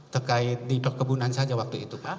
terkait di perkebunan saja waktu itu pak